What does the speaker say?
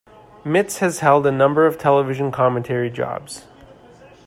Mitts has held a number of television commentary jobs.